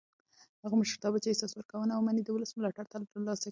هغه مشرتابه چې حساب ورکوونه ومني د ولس ملاتړ تر لاسه کوي